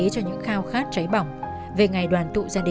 cháu là những người tốt đẹp